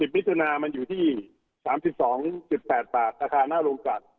มิถุนามันอยู่ที่๓๒๘บาทราคาหน้าโรงกัด